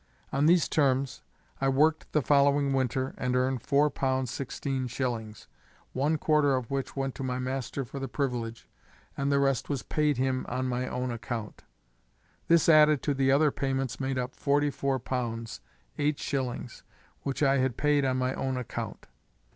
On these terms I worked the following winter, and earned four pounds sixteen shillings, one quarter of which went to my master for the privilege, and the rest was paid him on my own account. This added to the other payments made up forty four pounds, eight shillings, which I had paid on my own account.